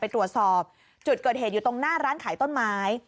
ไปตรวจสอบจุดเกิดเหตุอยู่ตรงหน้าร้านขายต้นไม้